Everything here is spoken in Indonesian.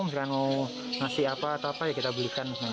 misalnya mau ngasih apa atau apa ya kita belikan